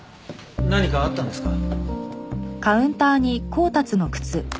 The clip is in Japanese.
何かあったんですか？